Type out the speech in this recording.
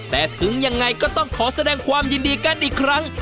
แต่ถึงยังไงก็ต้องขอแสดงความยินดีกันอีกครั้ง